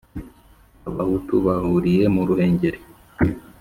Abahutu bahuriye mu Ruhengeri